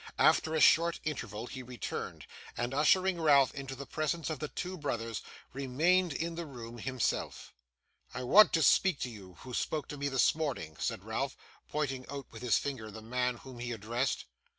After a short interval, he returned, and, ushering Ralph into the presence of the two brothers, remained in the room himself. 'I want to speak to you, who spoke to me this morning,' said Ralph, pointing out with his finger the man whom he addressed.